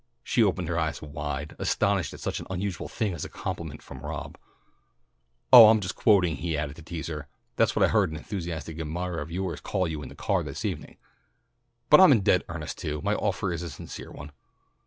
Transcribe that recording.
She opened her eyes wide, astonished at such an unusual thing as a compliment from Rob. "Oh, I'm just quoting," he added to tease her. "That's what I heard an enthusiastic admirer of yours call you on the car this evening. But I'm in dead earnest, too. My offer is a sincere one."